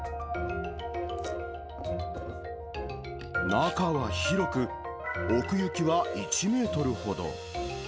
中は広く、奥行きは１メートルほど。